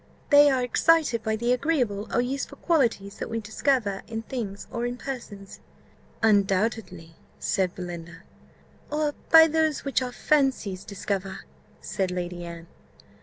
"They are excited by the agreeable or useful qualities that we discover in things or in persons." "Undoubtedly," said Belinda. "Or by those which our fancies discover," said Lady Anne.